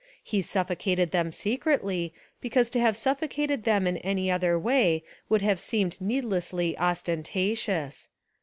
He suffo cated them secretly because to have suffocated them in any other way would have seemed needlessly ostentatious.